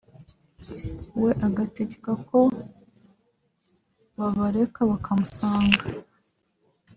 we agatgeka ko babareka bakamusanga